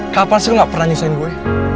kapan sih lo ga pernah nyusahin gue